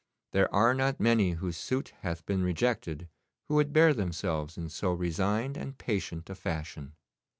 There are not many whose suit hath been rejected who would bear themselves in so resigned and patient a fashion.